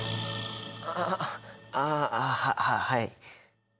ああああはい。